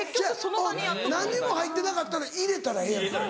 違う何にも入ってなかったら入れたらええやん。